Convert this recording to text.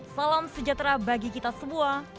salam sejahtera bagi kita semua